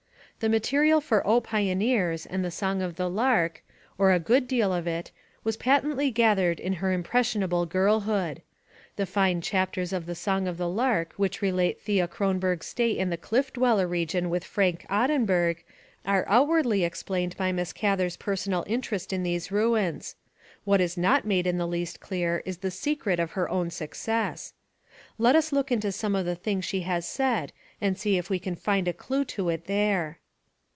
The material for O Pioneers! and The Song of the Lark, or a good deal of it, was patently gathered in her impressionable girlhood. The fine chapters of The Song of the Lark which relate Thea Kronberg's stay in the Cliff Dweller region with Fred Ottenburg are outwardly explained by Miss Gather's personal in terest in these ruins. What is not made in the least clear is the secret of her own success. Let us look into some of the things she has said and see if we can find a clew to it there.